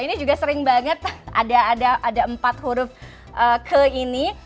ini juga sering banget ada empat huruf ke ini